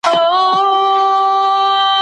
تاسو به د یو سالم شخصیت خاوند اوسئ.